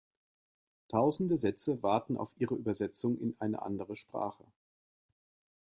Tausende Sätze warten auf ihre Übersetzung in eine andere Sprache.